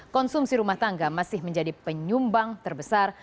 konsumsi rumah tangga masih menjadi penyumbang terbesar